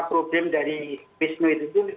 problem dari rismu itu